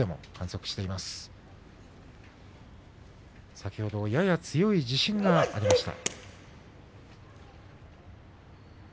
先ほどやや強い地震がありました。